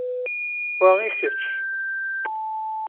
Wa i kečč.